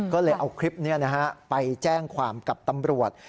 ก็เลยเอาคลิปนี้ไปแจ้งความกับตำรวจ